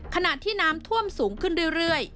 ขณะที่น้ำท่วมสูงขึ้นเรื่อย